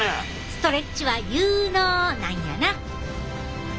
ストレッチは有ＮＯなんやな！